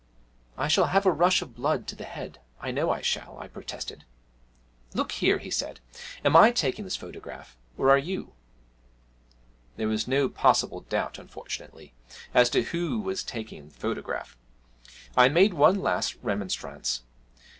'I shall have a rush of blood to the head, I know I shall,' I protested. 'Look here,' he said; 'am I taking this photograph, or are you?' There was no possible doubt, unfortunately, as to who was taking the photograph. I made one last remonstrance.